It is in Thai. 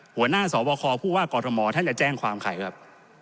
หัวหน้าสบคผู้ว่ากอทมท่านจะแจ้งความใครครับ